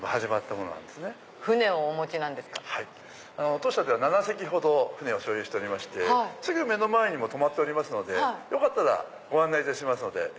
当社では７隻ほど船を所有しておりましてすぐ目の前にも止まっておりますよかったらご案内しますので。